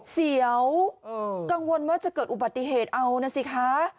เสียวกังวลว่าจะเกิดอุบัติเหตุเอานะสิคะ